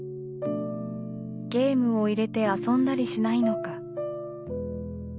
ゲームを入れて遊んだりしないのか。